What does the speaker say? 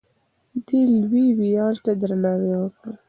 دې لوی ویاړ ته درناوی وکړه.